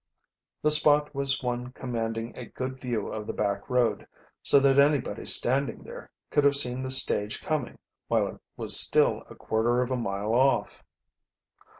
The spot was one commanding a good view of the back road, so that anybody standing there could have seen the stage coming while it was still a quarter of a mile off.